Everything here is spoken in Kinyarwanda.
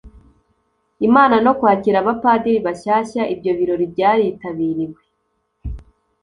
imana no kwakira abapadiri bashyashya. ibyo birori byaritabiriwe